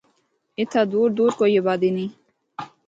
اِتھا دور دور کوئی آبادی نیں۔